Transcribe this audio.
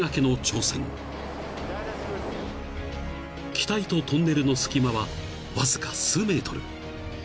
［機体とトンネルの隙間はわずか数メートル］